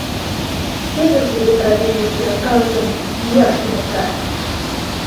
Теве кузе правительство калыкым йӱаш туныкта.